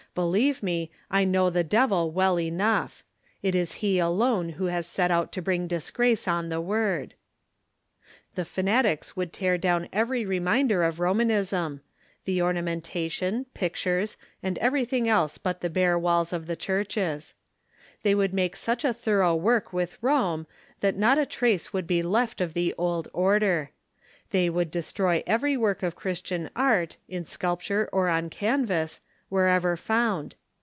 Believe me, I know the devil well enough. It is he alone who has set out to brinir dis<rrace on the Word." The fanatics would tear LUTHEE : LABORS AND CHARACTER 223 down every reminder of Romanism — the ornamentation, pict ures, and everything else but the bare walls of the churches. They would make such a thorough work with Rome that not a trace would be left of the old order. They would destroy every work of Christian art, in sculpture or on canvas, wher ever found.